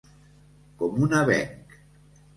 Com un avenc.